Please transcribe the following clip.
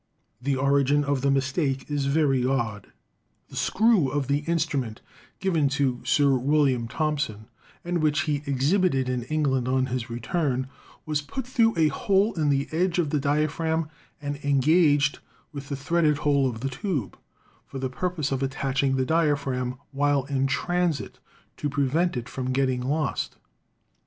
The origin of the mistake is very odd. The screw of the instrument given to Sir William Thom son, and which he exhibited in England on his return, was put through a hole in the edge of the diaphragm and en gaged with a threaded hole of the tube, for the purpose of attaching the diaphragm while in transit, to prevent it from getting lost.